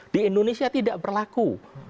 di indonesia tidak berlaku